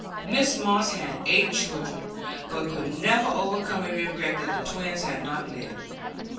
Mrs Moss had eight children, but could never overcome her regret that the twins had not lived.